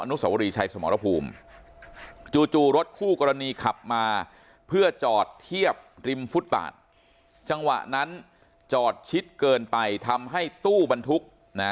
สวรีชัยสมรภูมิจู่รถคู่กรณีขับมาเพื่อจอดเทียบริมฟุตบาทจังหวะนั้นจอดชิดเกินไปทำให้ตู้บรรทุกนะ